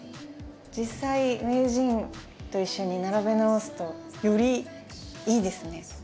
実際名人と一緒に並べ直すとよりいいですね。